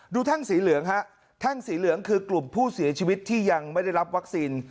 แท่งสีเหลืองฮะแท่งสีเหลืองคือกลุ่มผู้เสียชีวิตที่ยังไม่ได้รับวัคซีน